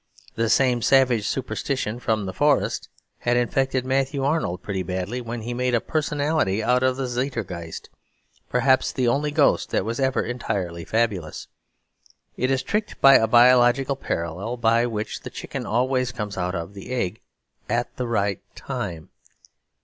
The same savage superstition from the forests had infected Matthew Arnold pretty badly when he made a personality out of the Zeitgeist perhaps the only ghost that was ever entirely fabulous. It is tricked by a biological parallel, by which the chicken always comes out of the egg "at the right time."